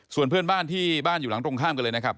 ส่วนเพื่อนบ้านที่บ้านอยู่หลังตรงข้ามกันเลยนะครับ